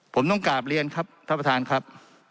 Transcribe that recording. ผมต้องกราบเรียนครับท่านประธานครับ